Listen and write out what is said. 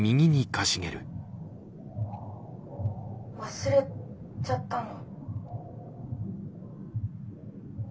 「忘れちゃったの？」。